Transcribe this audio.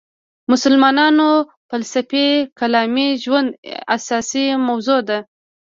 مسلمانانو فلسفي کلامي ژوند اساسي موضوع ده.